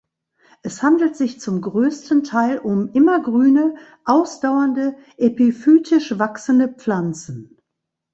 Es handelt sich zum größten Teil um immergrüne, ausdauernde, epiphytisch wachsende Pflanzen.